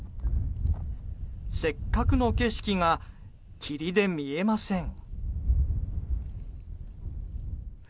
せっかくの景色が霧で見えません。